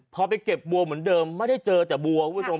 พอไปเก็บบัวเหมือนเดิมไม่ได้เจอแต่บัวคุณผู้ชม